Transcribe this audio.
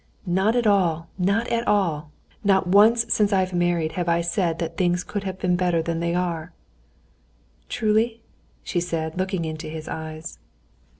"Not at all, not at all. Not once since I've been married have I said that things could have been better than they are...." "Truly?" she said, looking into his eyes.